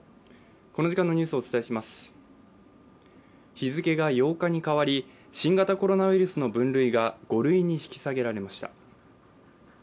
日付が８日に変わり新型コロナウイルスの分類が５類に引き下げられました。